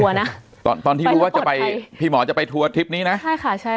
สวัสดีครับทุกผู้ชม